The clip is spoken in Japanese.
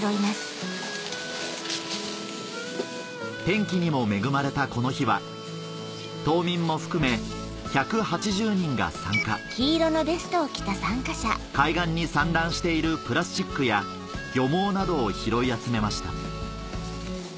天気にも恵まれたこの日は島民も含め１８０人が参加海岸に散乱しているプラスチックや漁網などを拾い集めました